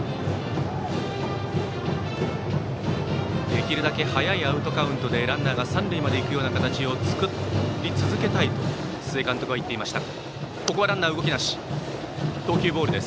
できるだけ早いアウトカウントでランナーが三塁まで行くような形を作り続けたいと須江監督は言っていました。